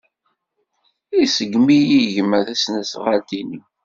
Iṣeggem-iyi gma tasnasɣalt-inu.